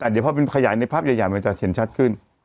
เดี๋ยวพอมันขยายในภาพใหญ่มันจะเห็นชัดขึ้น